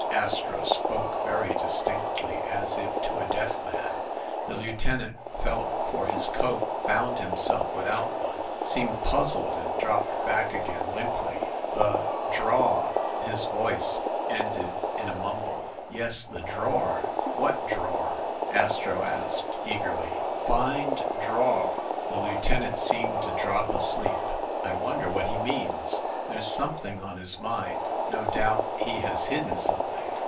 Astro spoke very distinctly, as if to a deaf man. The lieutenant felt for his coat, found himself with out one, seemed puzzled, and dropped back again limply. "The ‚ÄĒ draw ‚ÄĒ " his voice ended in a mumble. "Yes, the drawer! What drawer?" Astro asked eagerly. "Find draw ‚ÄĒ " The lieutenant seemed to drop asleep. "I wonder what he means? There's something on his mind. No doubt he has hidden something."